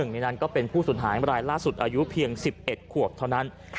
ในนั้นก็เป็นผู้สูญหายรายล่าสุดอายุเพียง๑๑ขวบเท่านั้น